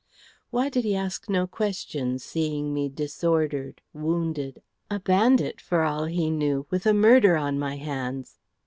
"Why did he ask no question, seeing me disordered, wounded, a bandit, for all he knew, with a murder on my hands?